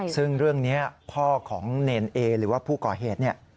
ซึ่งเรื่องนี้พ่อของเนรเอหรือว่าผู้ก่อเหตุเนี่ย